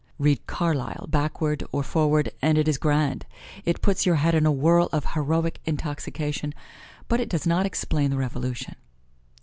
Read "Carlyle" backward or forward and it is grand: it puts your head in a whirl of heroic intoxication, but it does not explain the Revolution.